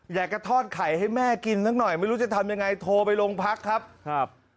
อยากจะทอดไข่ให้แม่กินสักหน่อยไม่รู้จะทำยังไงโทรไปโรงพักครับครับ